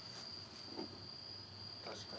確かに。